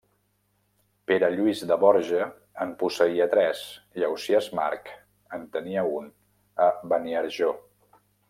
Pere Lluís de Borja en posseïa tres, i Ausiàs March en tenia un a Beniarjó.